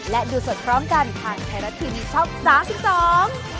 และดูสดพร้อมกันทางไทยรัฐทีวีช็อค๓๒